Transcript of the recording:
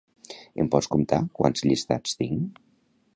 Em pots comptar quants llistats tinc?